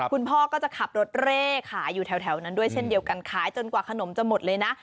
คุณพ่อก็จะขับรถเร่ขายอยู่แถวนั้นด้วยเช่นเดียวกันขายจนกว่าขนมจะหมดเลยนะ